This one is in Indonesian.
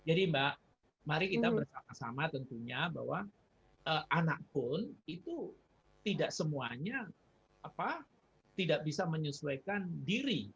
jadi mbak mari kita bersama sama tentunya bahwa anak pun itu tidak semuanya tidak bisa menyesuaikan diri